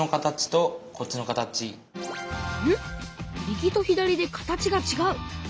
右と左で形がちがう！